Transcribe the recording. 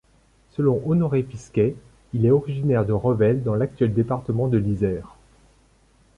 Selon Honoré Fisquet il est originaire de Revel dans l'actuel département de l'Isère.